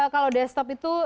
kalau desktop itu